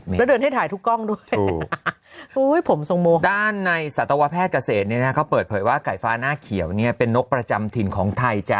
๕๐มิลละให้ถ่ายทุกล้องด้วยผมสงโมด้านในสาธาวแพทย์เกษตรนี้ก็เปิดเผยว่าไก่ฟ้าหน้าเขียวเนี่ยเป็นนกประจำถิ่นของไทยจ้ะ